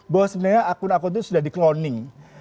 bahwa sebenarnya akun akun itu sudah di cloning